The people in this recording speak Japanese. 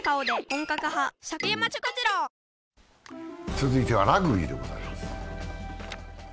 続いてはラグビーでございます。